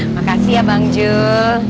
makasih ya bang zul